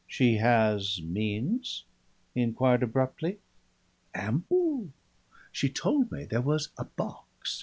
"She has means?" he inquired abruptly. "Ample. She told me there was a box.